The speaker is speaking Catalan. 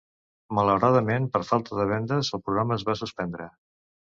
Malauradament, per falta de vendes, el programa es va suspendre.